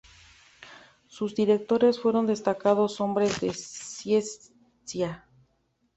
Sus directores fueron destacados hombres de ciencia.